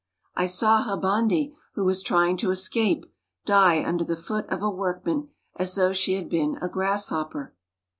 I saw Habonde, who was trying to escape, die under the foot of a workman, as though she had been a grasshopper."